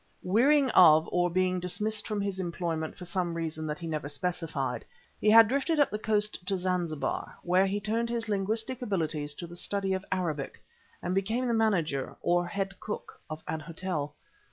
Wearying of or being dismissed from his employment for some reason that he never specified, he had drifted up the coast to Zanzibar, where he turned his linguistic abilities to the study of Arabic and became the manager or head cook of an hotel.